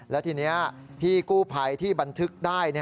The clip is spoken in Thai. และทีนี้พี่กู้ภัยที่บันทึกได้